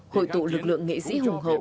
hội tụ lực lượng nghệ sĩ hùng hậu